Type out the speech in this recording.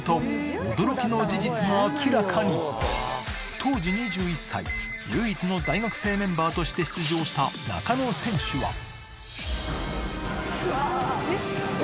当時２１歳唯一の大学生メンバーとして出場した諦めるもんか！